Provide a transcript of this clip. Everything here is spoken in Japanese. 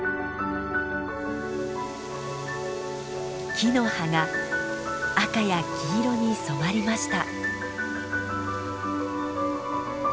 木の葉が赤や黄色に染まりました。